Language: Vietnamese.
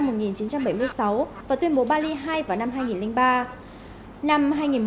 năm hai nghìn một mươi một hội nghị cấp cao asean tại bali cũng thông qua tuyên bố bali về cộng đồng asean trong cộng đồng các quốc gia toàn cầu